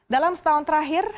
dalam setahun terakhir